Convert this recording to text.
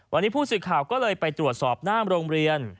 วันนี้ผู้สิทธิ์ข่าวเลยไปตรวจสอบประจำหน้าโรงเรียน